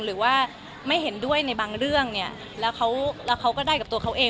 หรือว่าไม่เห็นด้วยในบางเรื่องเนี่ยแล้วเขาก็ได้กับตัวเขาเอง